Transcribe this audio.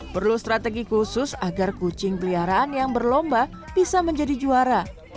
perlu strategi khusus agar kucing peliharaan yang berlomba bisa menjadi juara